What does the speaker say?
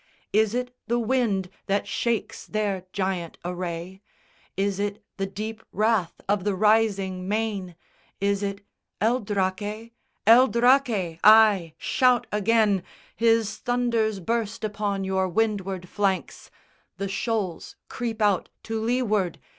Is it the wind that shakes their giant array? Is it the deep wrath of the rising main? Is it El Draque? El Draque! Ay, shout again, His thunders burst upon your windward flanks; The shoals creep out to leeward!